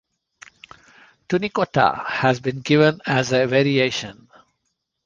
Tunicotta has been given as a variation.